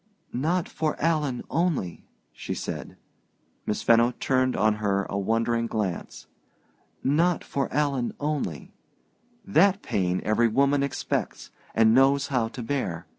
"Not for Alan only," she said. Miss Fenno turned on her a wondering glance. "Not for Alan only. That pain every woman expects and knows how to bear.